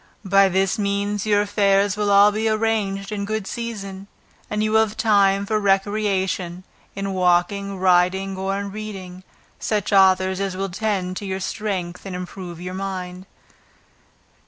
By this means your affairs will all be arranged in good season, and you will have time for recreation, in walking, riding, or in reading such authors as will tend to strengthen and improve your mind.